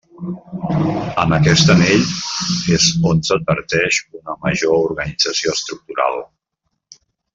En aquest anell, és on s'adverteix una major organització estructural.